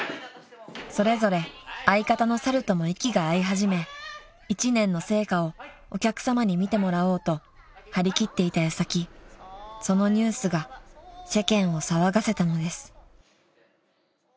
［それぞれ相方の猿とも息が合い始め一年の成果をお客さまに見てもらおうと張り切っていた矢先そのニュースが世間を騒がせたのです］